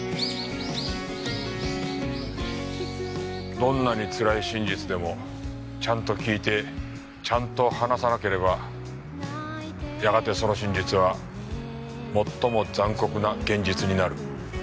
どんなにつらい真実でもちゃんと聞いてちゃんと話さなければやがてその真実は最も残酷な現実になる。